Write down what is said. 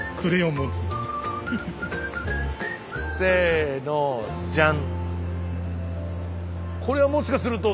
せのじゃん！